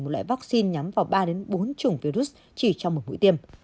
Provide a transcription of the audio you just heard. một loại vaccine nhắm vào ba bốn chủng virus chỉ trong một mũi tiêm